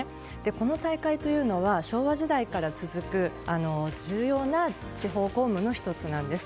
この大会というのは昭和時代から続く重要な地方公務の１つなんです。